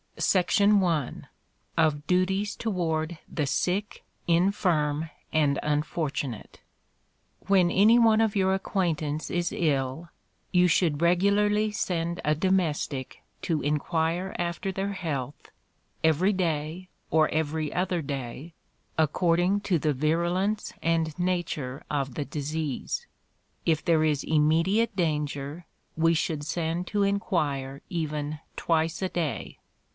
SECTION I. Of Duties toward the Sick, Infirm, and Unfortunate. When any one of your acquaintance is ill, you should regularly send a domestic, to inquire after their health, every day, or every other day, according to the virulence and nature of the disease. If there is immediate danger, we should send to inquire even twice a day.